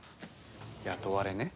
雇われね。